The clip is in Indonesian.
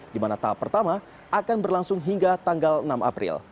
di mana tahap pertama akan berlangsung hingga tanggal enam april